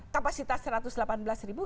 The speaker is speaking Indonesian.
kapasitas satu ratus delapan belas ribu